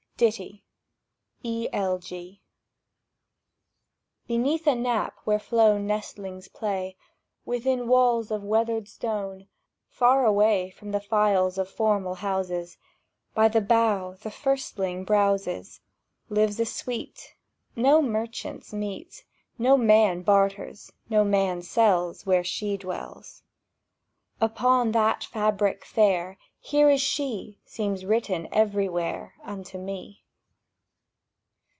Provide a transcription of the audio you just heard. DITTY (E. L G.) BENEATH a knap where flown Nestlings play, Within walls of weathered stone, Far away From the files of formal houses, By the bough the firstling browses, Lives a Sweet: no merchants meet, No man barters, no man sells Where she dwells. Upon that fabric fair "Here is she!" Seems written everywhere Unto me.